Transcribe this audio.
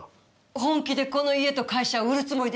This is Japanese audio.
本気でこの家と会社を売るつもりですか？